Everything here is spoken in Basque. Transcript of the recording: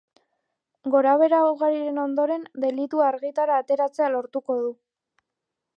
Gorabehera ugariren ondoren, delitua argitara ateratzea lortuko du.